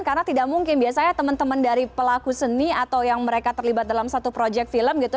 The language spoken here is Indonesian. karena tidak mungkin biasanya teman teman dari pelaku seni atau yang mereka terlibat dalam satu proyek film gitu